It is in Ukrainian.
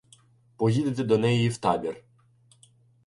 — Поїдете до неї в табір.